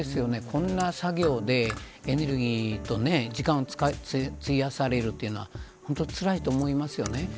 こんな作業でエネルギーと時間をついやされるというのは本当につらいと思いますよね。